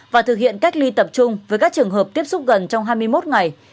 và thực hiện cách ly tập trung với các trường hợp tiếp xúc gần trong hai mươi một ngày